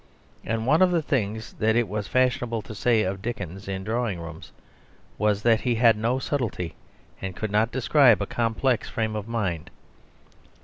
And one of the things that it was fashionable to say of Dickens in drawing rooms was that he had no subtlety, and could not describe a complex frame of mind.